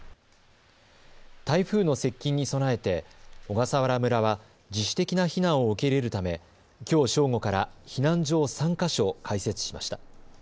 台風の接近に備えて小笠原村は自主的な避難を受け入れるためきょう正午から避難所を３か所開設しました。